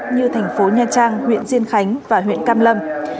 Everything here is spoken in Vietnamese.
như thành phố nha trang huyện diên khánh và huyện cam lâm